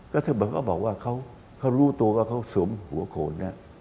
ก็เธอบอกว่าเขารู้ตัวว่าเขาสวมหัวโขด